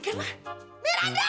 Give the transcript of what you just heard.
ya ma sebentar